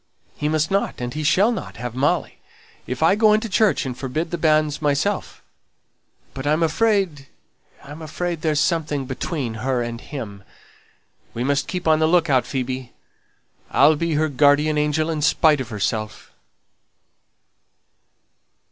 He must not, and he shall not, have Molly, if I go into church and forbid the banns myself; but I'm afraid I'm afraid there's something between her and him. We must keep on the look out, Phoebe. I'll be her guardian angel, in spite of herself."